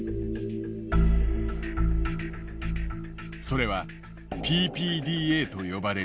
それはＰＰＤＡと呼ばれる指標。